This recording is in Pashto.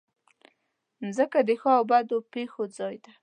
مځکه د ښو او بدو پېښو ځای ده.